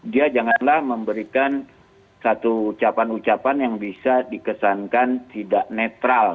dia janganlah memberikan satu ucapan ucapan yang bisa dikesankan tidak netral